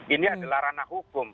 ini adalah ranah hukum